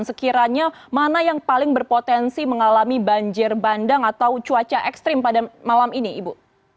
sekiranya mana yang paling berpotensi mengalami banjir bandang atau cuaca ekstrim pada malam ini ibu